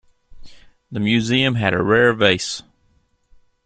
The museum had a rare Vase.